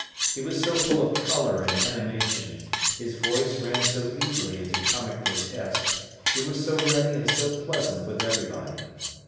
He was so full of colour and animation, his voice ran so easily into comic grotesque, he was so ready and so pleasant with everybody.